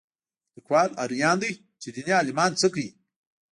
لیکوال حیران دی چې دیني عالمان څه کوي